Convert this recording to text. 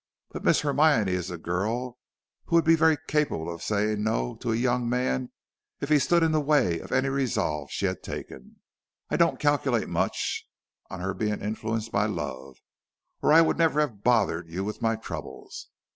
But Miss Hermione is a girl who would be very capable of saying no to a young man if he stood in the way of any resolve she had taken. I don't calculate much on her being influenced by love, or I would never have bothered you with my troubles.